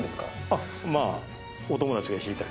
あっまあ